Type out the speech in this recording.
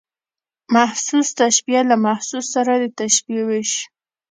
محسوس تشبیه له محسوس سره د تشبېه وېش.